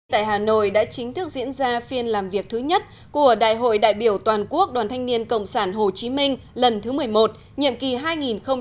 tại hà nội đã chính thức diễn ra phiên làm việc thứ nhất của đại hội đại biểu toàn quốc đoàn thanh niên cộng sản hồ chí minh lần thứ một mươi một nhiệm kỳ hai nghìn một mươi chín hai nghìn hai mươi năm